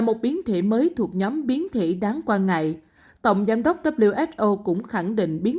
một biến thể mới thuộc nhóm biến thể đáng quan ngại tổng giám đốc who cũng khẳng định biến